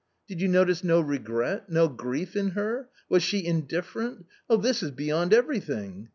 "Did you notice no regret, no grief in her? was she indifferent ? This is beyond everything."